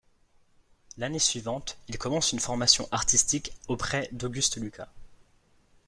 L'année suivante, il commence une formation artistique auprès d'August Lucas.